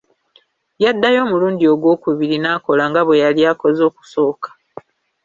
Yaddayo omulundi ogw'okubiri n'akola nga bwe yali akoze okusooka.